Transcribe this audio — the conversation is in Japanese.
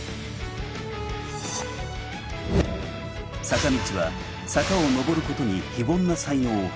坂道は坂を上ることに非凡な才能を発揮。